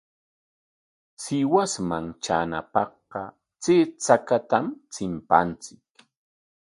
Sihuasman traanapaqqa chay chakatam chimpanchik.